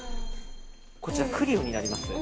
こちら、クリオになります。